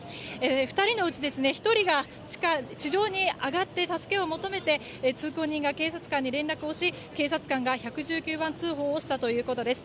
２人のうち、１人が地上に上がって助けを求めて通行人が警察官に連絡をし警察官が１１９番通報をしたということです。